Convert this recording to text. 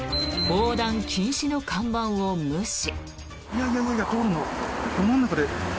横断禁止の看板を無視。